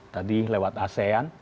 tadi lewat asean